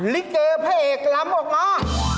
ลิเกพระเอกลำออกมา